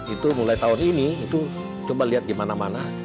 itu mulai tahun ini itu coba lihat di mana mana